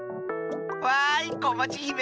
わいこまちひめ。